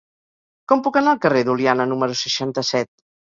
Com puc anar al carrer d'Oliana número seixanta-set?